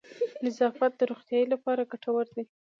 نظافت د روغتیا لپاره گټور دی.